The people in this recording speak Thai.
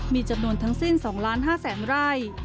มีจำนวนทั้งสิ้น๒๕๐๐๐ไร่